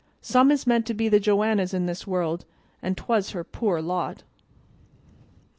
Some is meant to be the Joannas in this world, an' 'twas her poor lot." XV.